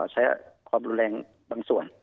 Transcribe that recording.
ใช้ความรุนแรงบางส่วน